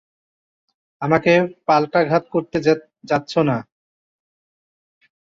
আমাকে পাল্টাঘাত করতে যাচ্ছো, না?